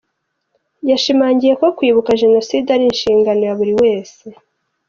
Yashimangiye ko kwibuka Jenoside ari inshingano ya buri wese.